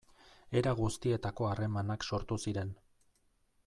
Era guztietako harremanak sortu ziren.